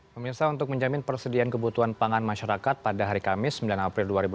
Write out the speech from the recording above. pemirsa untuk menjamin persediaan kebutuhan pangan masyarakat pada hari kamis sembilan april dua ribu delapan belas